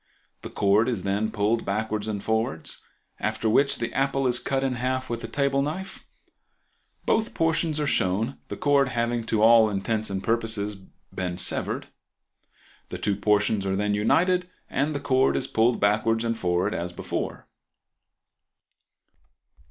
The cord is then pulled backwards and forwards, after which the apple is cut in half with a table knife; both portions are shown, the cord having to all intents and purposes been severed. The two portions are then united and the cord is pulled backwards and forwards as before.